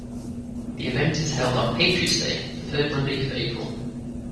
The event is held on Patriots Day, the third Monday of April.